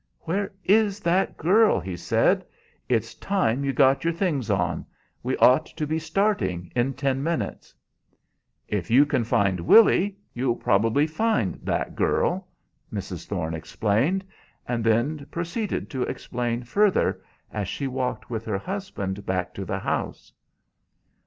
"Where is that girl?" he said. "It's time you got your things on. We ought to be starting in ten minutes." "If you can find Willy you'll probably find 'that girl'!" Mrs. Thorne explained, and then proceeded to explain further, as she walked with her husband back to the house.